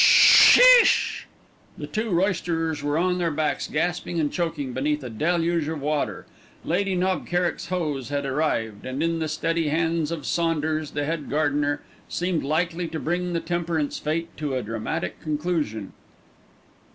"Shisssssssssssh!" The two roysterers were on their backs gasping and choking beneath a deluge of water. Lady Knob Kerrick's hose had arrived, and in the steady hands of Saunders, the head gardener, seemed likely to bring the Temperance Fête to a dramatic conclusion.